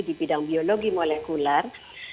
di bidang biologi molekuler